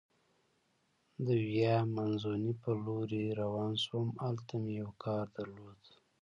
د ویا مانزوني په لورې روان شوم، هلته مې یو کار درلود.